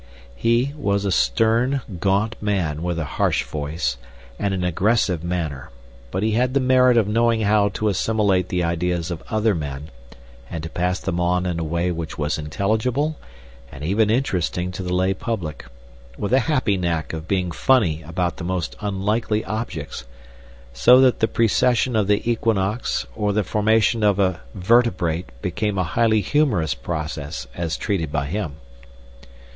He was a stern, gaunt man, with a harsh voice, and an aggressive manner, but he had the merit of knowing how to assimilate the ideas of other men, and to pass them on in a way which was intelligible and even interesting to the lay public, with a happy knack of being funny about the most unlikely objects, so that the precession of the Equinox or the formation of a vertebrate became a highly humorous process as treated by him.